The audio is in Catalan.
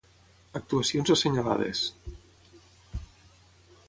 Actuacions assenyalades: